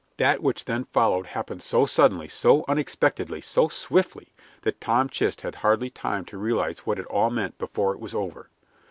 That which then followed happened so suddenly, so unexpectedly, so swiftly, that Tom Chist had hardly time to realize what it all meant before it was over.